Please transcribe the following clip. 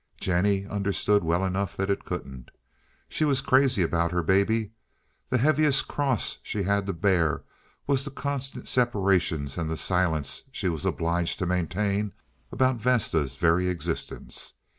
Jennie understood well enough that it couldn't. She was crazy about her baby. The heaviest cross she had to bear was the constant separations and the silence she was obliged to maintain about Vesta's very existence.